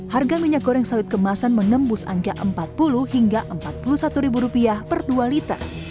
harga minyak goreng sawit kemasan menembus angka empat puluh hingga rp empat puluh satu per dua liter